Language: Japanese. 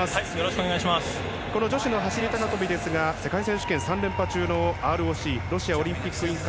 この女子の走り高跳びですが世界選手権３連覇中のＲＯＣ・ロシアオリンピック委員会